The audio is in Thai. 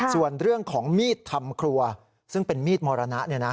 ส่วนเรื่องของมีดทำครัวซึ่งเป็นมีดมรณะ